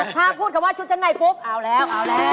ถ้าพูดคำว่าชุดชั้นในปุ๊บเอาแล้ว